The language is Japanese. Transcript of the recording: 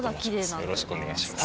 よろしくお願いします。